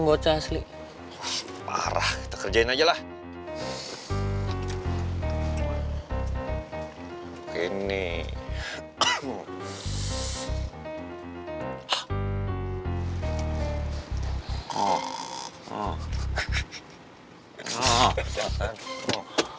mati orang itu mati orang itu